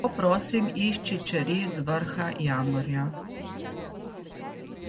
Lepo prosim, išči čeri z vrha jambora!